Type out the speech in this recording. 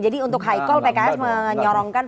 jadi untuk high call pks menyorongkan